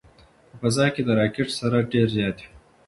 په فضا کې د راکټ سرعت ډېر زیات وي.